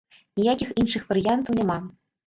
Ніякіх іншых варыянтаў няма.